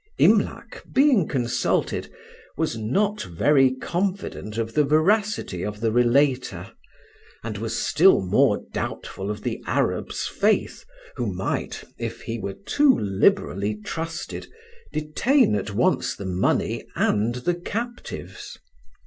Imlac, being consulted, was not very confident of the veracity of the relater, and was still more doubtful of the Arab's faith, who might, if he were too liberally trusted, detain at once the money and the captives.